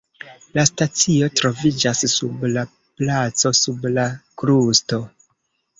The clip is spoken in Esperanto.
La stacio troviĝas sub la placo sub la krusto.